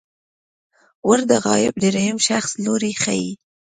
ور د غایب دریم شخص لوری ښيي.